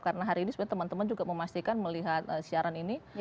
karena hari ini teman teman juga memastikan melihat siaran ini